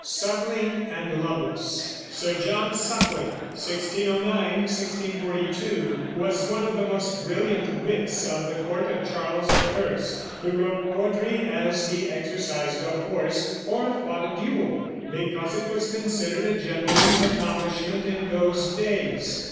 SUCKLING AND LOVELACE. Sir John Suckling (1609 1642) was one of the most brilliant wits of the court of Charles I, who wrote poetry as he exercised a horse or fought a duel, because it was considered a gentleman's accomplishment in those days.